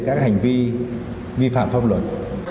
các hành vi vi phạm pháp luật